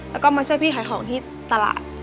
แล้วก็มาช่วยพี่ขายของที่ตลาด